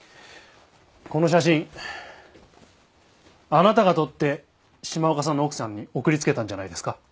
この写真あなたが撮って島岡さんの奥さんに送りつけたんじゃないですか？